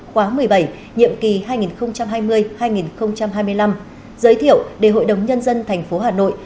khóa một mươi bảy nhiệm kỳ hai nghìn hai mươi hai nghìn hai mươi năm giới thiệu để hội đồng nhân dân tp hà nội